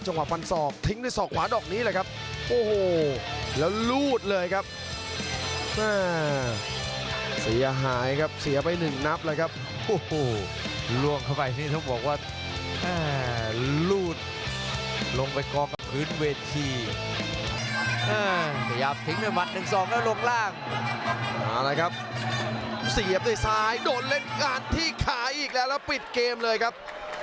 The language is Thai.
จังหวัดประจวบคิริขันครับ